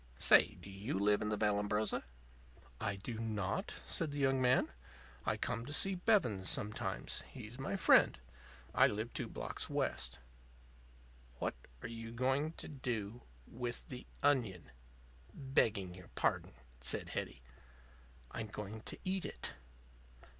Say do you live in the Vallambrosa?" "I do not," said the young man. "I come to see Bevens sometimes. He's my friend. I live two blocks west." "What are you going to do with the onion? begging your pardon," said Hetty. "I'm going to eat it."